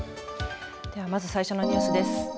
では、まず最初のニュースです。